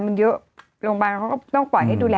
มันเยอะโรงพยาบาลเขาก็ต้องปล่อยให้ดูแล